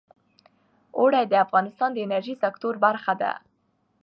اوړي د افغانستان د انرژۍ سکتور برخه ده.